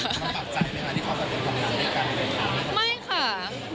มันปรับใจไหมคะที่เขาก็เป็นความรักด้วยกัน